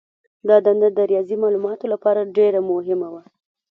دا دنده د ریاضي مالوماتو لپاره ډېره مهمه وه.